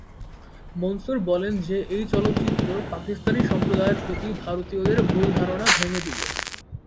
মনসুর বলেন যে এই চলচ্চিত্র পাকিস্তানি সম্প্রদায়ের প্রতি ভারতীয়দের ভুল ধারণা ভেঙ্গে দিবে।